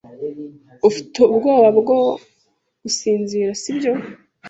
Ufite ubwoba bwo gusinzira, si byo?